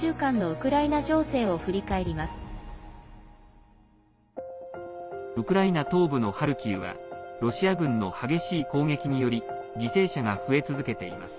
ウクライナ東部のハルキウはロシア軍の激しい攻撃により犠牲者が増え続けています。